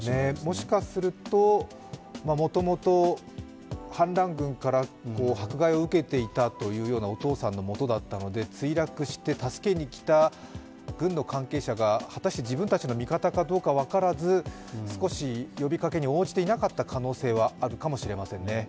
もしかすると、もともと反乱軍迫害を受けていたというお父さんのもとだったので、墜落して助けにきた軍の関係者が果たして自分たちの味方かどうか分からず、少し呼びかけに応じていなかった可能性はあるかもしれませんね。